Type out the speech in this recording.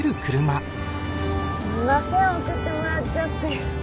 すみません送ってもらっちゃって。